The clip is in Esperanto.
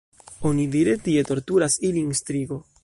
Onidire tie torturas ilin strigo.